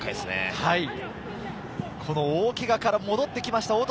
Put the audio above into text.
大けがから戻ってきました。